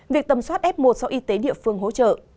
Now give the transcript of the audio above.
việc tầm soát f một do y tế địa phương hỗ trợ